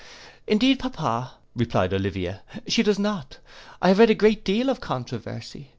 'Indeed, pappa,' replied Olivia, 'she does not: I have read a great deal of controversy.